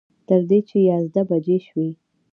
تر دې چې یازده بجې شوې.